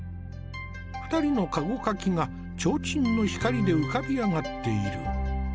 ２人の駕籠かきが提灯の光で浮かび上がっている。